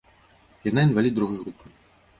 Яна інвалід другой групы.